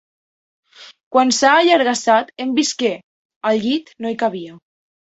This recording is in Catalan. Quan s'ha allargassat, hem vist que, al llit, no hi cabia.